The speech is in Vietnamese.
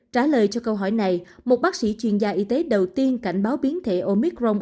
trả lời cho câu hỏi này một bác sĩ chuyên gia y tế đầu tiên cảnh báo biến thể omicron